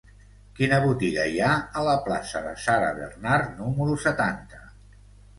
Quina botiga hi ha a la plaça de Sarah Bernhardt número setanta?